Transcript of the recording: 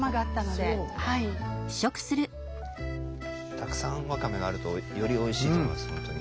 たくさんわかめがあるとよりおいしいと思います本当に。